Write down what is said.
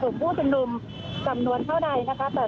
เพราะตอนนี้ก็ไม่มีเวลาให้เข้าไปที่นี่